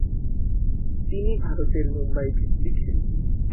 তিনি ভারতের মুম্বাই ভিত্তিক শিল্পী।